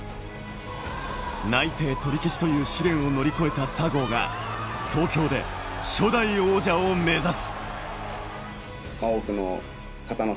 内定取り消しという試練を乗り越えた佐合が、東京で初代王者を目指す。